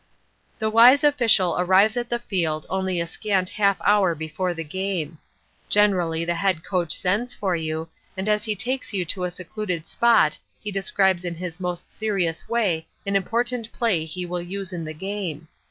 The wise official arrives at the field only a scant half hour before the game. Generally the head coach sends for you, and as he takes you to a secluded spot he describes in his most serious way an important play he will use in the game.